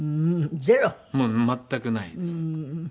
もう全くないですって。